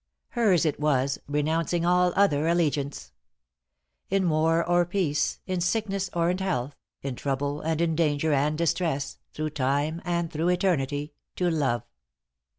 Hers it was, renouncing all other allegiance = ```"In war or peace, in sickness, or in health, ```In trouble and in danger, and distress, ' ```Through time and through eternity, to love."